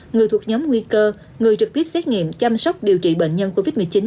người thuộc nhóm nguy cơ người trực tiếp xét nghiệm chăm sóc điều trị bệnh nhân covid một mươi chín